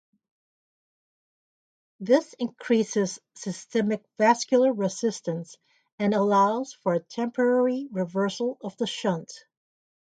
This increases systemic vascular resistance and allows for a temporary reversal of the shunt.